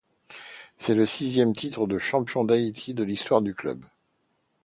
C'est le sixième titre de champion d'Haïti de l'histoire du club.